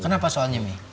kenapa soalnya mie